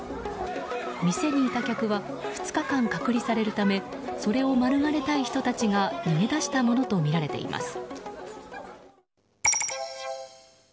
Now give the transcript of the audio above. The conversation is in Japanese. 店にいた客は２日間隔離されるためそれを免れたい人たちが逃げ出したものとみられます。